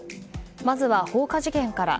まずは放火事件から。